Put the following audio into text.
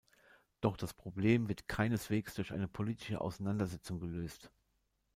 Doch das Problem wird keineswegs durch eine politische Auseinandersetzung gelöst.